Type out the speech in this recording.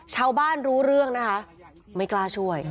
ชาวบ้านรู้เรื่องนะคะไม่กล้าช่วย